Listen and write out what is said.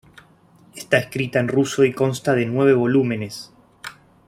Está escrita en ruso y consta de nueve volúmenes.